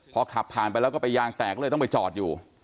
พอขับผ่านไปแล้วก็ไปยางแตกก็เลยต้องไปจอดอยู่